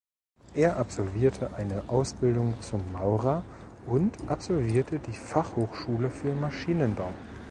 Er absolvierte eine Ausbildung zum Maurer und absolvierte die Fachhochschule für Maschinenbau.